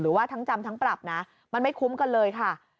หรือว่าทั้งจำทั้งปรับนะมันไม่คุ้มกันเลยค่ะ